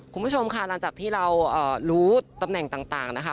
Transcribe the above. คุณผู้ชมค่ะหลังจากที่เรารู้ตำแหน่งต่างนะคะ